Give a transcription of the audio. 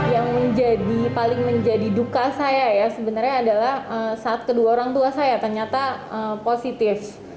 yang menjadi paling menjadi duka saya ya sebenarnya adalah saat kedua orang tua saya ternyata positif